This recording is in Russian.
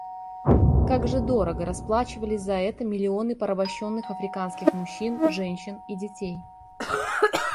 Как же дорого расплачивались за это миллионы порабощенных африканских мужчин, женщин и детей!